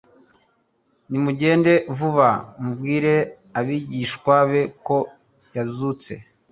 Nimugende vuba mubwire abigishwa be ko yazutse"